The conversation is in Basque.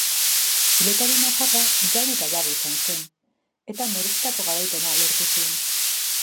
Pilotari nafarra jaun eta jabe izan zen, eta merezitako garaipena lortu zuen.